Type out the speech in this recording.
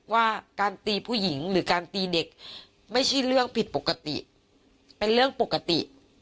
ว่าการตีผู้หญิงหรือการตีเด็กไม่ใช่เรื่องผิดปกติเป็นเรื่องปกติ